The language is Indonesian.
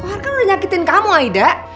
gohar kan udah nyakitin kamu aida